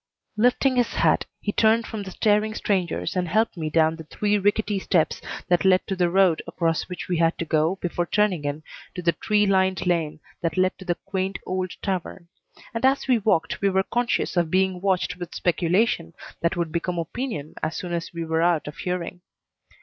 Lifting his hat, he turned from the staring strangers and helped me down the three rickety steps that led to the road across which we had to go before turning in to the tree lined lane that led to the quaint old tavern; and as we walked we were conscious of being watched with speculation that would become opinion as soon as we were out of hearing.